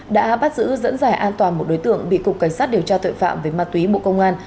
đã bắt giữ dẫn dải an toàn một đối tượng bị cục cảnh sát điều tra tội phạm về ma túy bộ công an